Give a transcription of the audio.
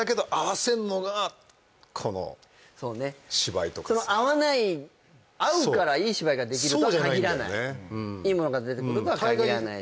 合う合わないでもそうねその合わない合うからいい芝居ができるとは限らないいいものが出てくるとは限らない